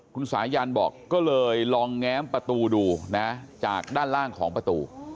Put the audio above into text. คุณสายันบอกก็เลยลองแง้มประตูดูนะจากด้านล่างของประตู